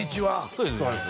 そうですね